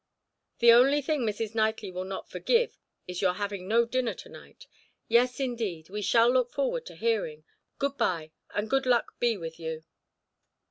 "The only thing Mrs. Knightley will not forgive is your having no dinner to night. Yes, indeed, we shall look forward to hearing. Good bye, and good luck be with you."